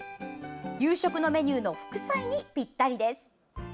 夕食のメニューの副菜にぴったりです。